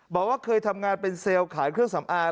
บอกว่าเคยทำงานเป็นเซลล์ขายเครื่องสำอาง